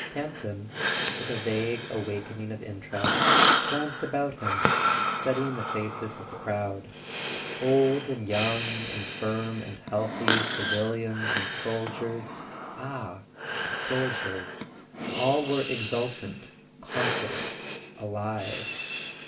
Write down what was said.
Campton, with a vague awakening of interest, glanced about him, studying the faces of the crowd. Old and young, infirm and healthy, civilians and sol¬ diers—ah, the soldiers!—all were exultant, confident, alive.